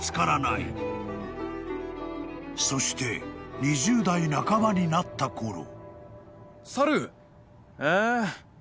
［そして２０代半ばになったころ］